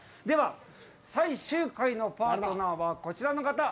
では、最終回のパートナーはこちらの方。